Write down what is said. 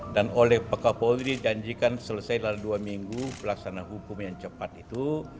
dan oleh pak kapolri janjikan selesai dalam dua minggu pelaksanaan hukum yang cepat itu